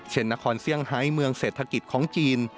นครเซี่ยงไฮเมืองเศรษฐกิจของจีน